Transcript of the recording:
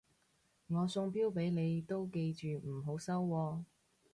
我送錶俾你都記住唔好收喎